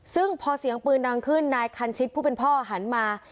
ซึ่งพอเสียงปืนดังขึ้นนายคันชิตผู้เป็นพ่อหันมา